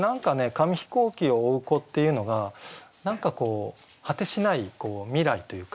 「紙飛行機を追ふ子」っていうのが何かこう果てしない未来というか。